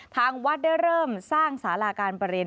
ทางวัดได้เริ่มสร้างสาราการประเรียน